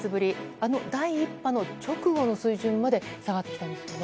あの第１波の直後の水準まで下がってきたんですよね。